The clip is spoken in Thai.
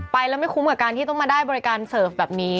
ไปแล้วไม่คุ้มกับการที่ต้องมาได้บริการเสิร์ฟแบบนี้